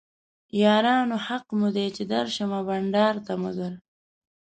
یارانو حق مو دی چې درشمه بنډار ته مګر